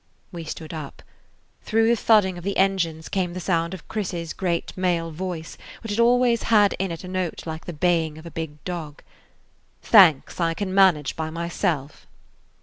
We stood up. Through the thudding of the engines came the sound of Chris's great male voice which always had in it a note like the baying of a big dog. "Thanks, I can manage by myself."